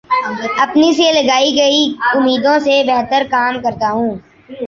اپنے سے لگائی گئی امیدوں سے بہترکام کرتا ہوں